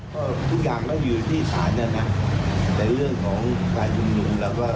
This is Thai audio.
ก็ทุกอย่างมันอยู่ในฐาญญานะแต่เรื่องของการยุ่นหลุมแล้ว